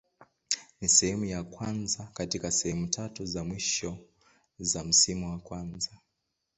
Ni sehemu ya kwanza katika sehemu tatu za mwisho za msimu wa kwanza.